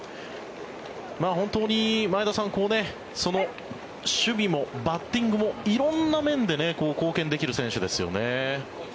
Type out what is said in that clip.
本当に前田さん守備もバッティングも色んな面で貢献できる選手ですよね。